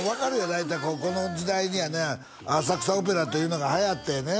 大体この時代にやな浅草オペラというのがはやってやね